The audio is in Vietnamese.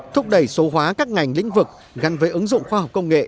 thúc đẩy số hóa các ngành lĩnh vực gắn với ứng dụng khoa học công nghệ